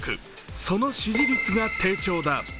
その支持率が低調だ。